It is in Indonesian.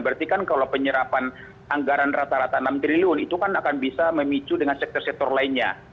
berarti kan kalau penyerapan anggaran rata rata enam triliun itu kan akan bisa memicu dengan sektor sektor lainnya